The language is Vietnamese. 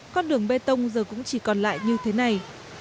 xe tông giờ cũng chỉ còn lại như thế này